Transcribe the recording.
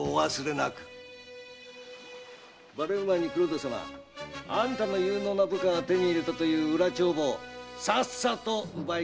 ばれる前に黒田様あんたの有能な部下が手に入れたという裏帳簿を奪い返すのですな。